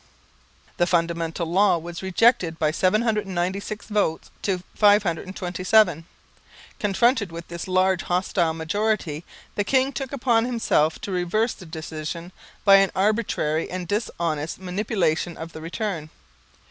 The Fundamental Law was rejected by 796 votes to 527. Confronted with this large hostile majority, the king took upon himself to reverse the decision by an arbitrary and dishonest manipulation of the return.